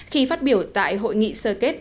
khi phát biểu tại hội nghị sơ kết